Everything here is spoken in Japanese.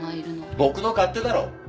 僕の勝手だろ。